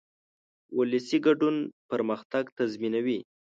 ولسي ګډون پرمختګ تضمینوي.